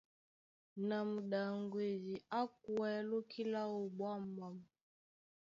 Na muɗaŋgwedi á kwɛ̌ lóki láō ɓwǎmɓwâm.